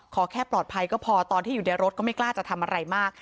ขอแค่ปลอดภัยก็พอตอนที่อยู่ในรถก็ไม่กล้าจะทำอะไรมาก